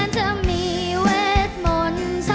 ถ้ามีเวทมนตร์